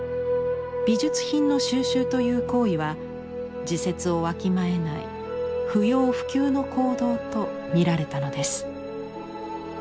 美術品の蒐集という行為は時節をわきまえない不要不急の行動と見られたのです。